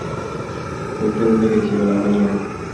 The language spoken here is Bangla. বলতে ভুলে গেছি, ওলা ভাইয়া!